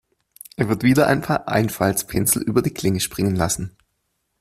Er wird wieder ein paar Einfaltspinsel über die Klinge springen lassen.